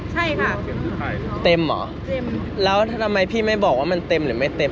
ใช่ค่ะแล้วทำไมพี่ไม่รู้ว่ามันเต็มหรือไม่เต็ม